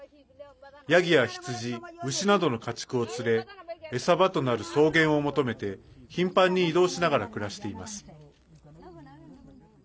やぎや羊、牛などの家畜を連れ餌場となる草原を求めて頻繁に移動しながら暮らしています。